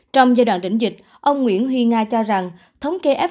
trong giai đoạn đỉnh dịch ông nguyễn huy nga cho rằng